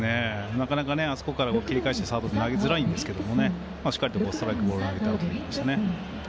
なかなか、あそこから切り替えしてサードには投げづらいんですけどしっかりとストライクボールを投げていましたね。